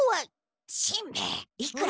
しんべヱいくら